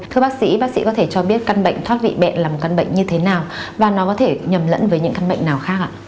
thưa bác sĩ bác sĩ có thể cho biết căn bệnh thoát vị bệnh là một căn bệnh như thế nào và nó có thể nhầm lẫn với những căn bệnh nào khác ạ